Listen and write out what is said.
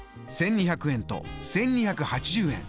１２００円と１２８０円。